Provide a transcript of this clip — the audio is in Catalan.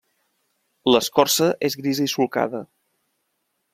L'escorça és grisa i solcada.